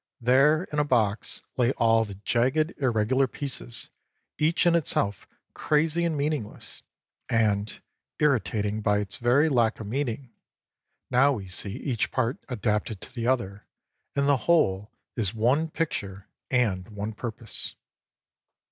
There in a box lay all the jagged, irregular pieces, each in itself crazy and meaningless and irritating by its very lack of meaning: now we see each part adapted to the other and the whole is one picture and one purpose.